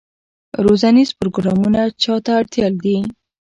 روزنیز پروګرامونه چا ته اړتیا دي؟